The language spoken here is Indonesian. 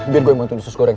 biar gue bantu disus goreng